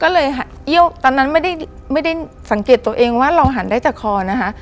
ก็เลยตอนนั้นไม่ได้สังเกตตัวเองว่าเราหันได้แต่คอนะคะ